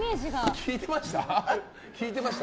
聞いてました？